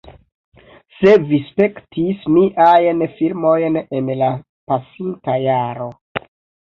Se vi spektis miajn filmojn en la pasinta jaro